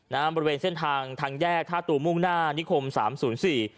บริเวณเส้นทางทางแยกท่าตูมุ่งหน้านิคมสามศูนย์สี่